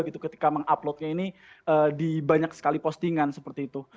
ketika menguploadnya ini di banyak sekali postingan seperti itu